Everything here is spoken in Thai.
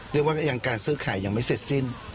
เรียกว่ายังการซื้อขายยังไม่เสร็จสิ้น